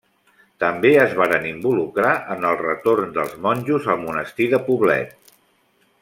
També es varen involucrar en el retorn dels monjos al Monestir de Poblet.